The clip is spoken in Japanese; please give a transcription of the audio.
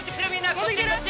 こっち！